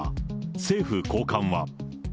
政府高官は。